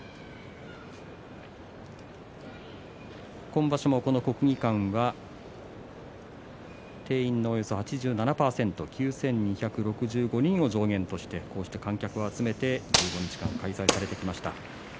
今場所もこの国技館は定員のおよそ８７％９２６５人を上限として観客を入れて１５日間開催されてきました。